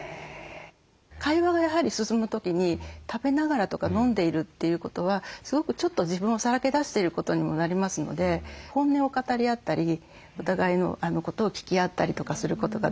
会話がやはり進む時に食べながらとか飲んでいるということはすごくちょっと自分をさらけ出していることにもなりますので本音を語り合ったりお互いのことを聞き合ったりとかすることができる。